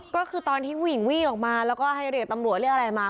ก็คือตอนที่ผู้หญิงวิ่งออกมาแล้วก็ให้เรียกตำรวจเรียกอะไรมา